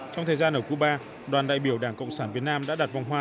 trong thời gian ở cuba đoàn đại biểu đảng cộng sản việt nam đã đặt vòng hoa